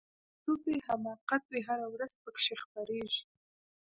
تعصب وي حماقت وي هره ورځ پکښی خپریږي